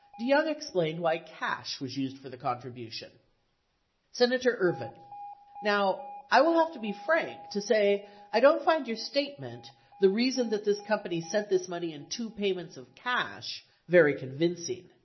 DeYoung explained why cash was used for the contribution : Senator Ervin. Now, I will have to be frank to say I don't find your statement, the reason that this company sent this money in two payments of cash, very convincing.